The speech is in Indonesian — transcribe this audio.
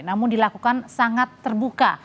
namun dilakukan sangat terbuka